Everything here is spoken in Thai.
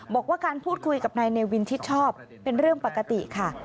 บอกว่าการพูดคุยกับนายเนวินชิดชอบเป็นเรื่องปกติค่ะ